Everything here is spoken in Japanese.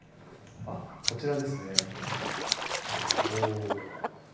こちらですねお。